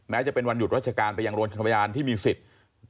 จะเป็นวันหยุดราชการไปยังโรงพยาบาลที่มีสิทธิ์